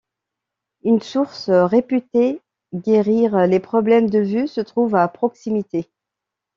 Une source réputée guérir les problèmes de vue se trouve à proximité.